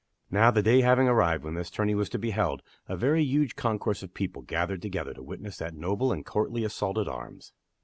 Now, the day having arrived when this tourney was to be held, a very huge concourse of people gathered together to witness that noble and courtly assault at arms.